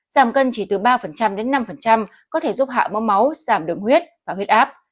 giảm cân chỉ từ ba đến năm có thể giúp hạ mẫu máu giảm đường huyết và huyết áp